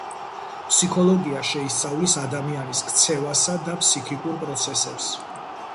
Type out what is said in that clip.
ფსიქოლოგია შეისწავლის ადამიანის ქცევასა და ფსიქიკურ პროცესებს.